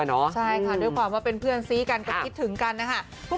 ใช่ค่ะด้วยความว่าเป็นเพื่อนซี้กันก็คิดถึงกันนะคะ